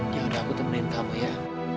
ya udah aku temenin kamu ya